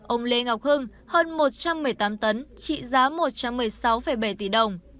ông lê ngọc hưng hơn một trăm một mươi tám tấn trị giá một trăm một mươi sáu bảy tỷ đồng